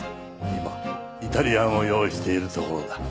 今イタリアンを用意しているところだ。